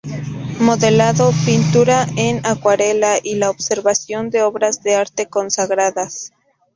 Modelado, pintura en acuarela, y la observación de obras de arte consagradas.